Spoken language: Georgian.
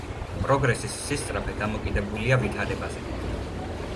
პროგრესის სისწრაფე დამოკიდებულია ვითარებაზე.